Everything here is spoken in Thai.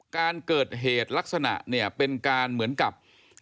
การเกิดเหตุลักษณะเนี่ยเป็นการเหมือนกับ